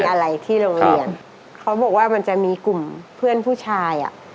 อะไรที่โรงเรียนเขาบอกว่ามันจะมีกลุ่มเพื่อนผู้ชายอ่ะ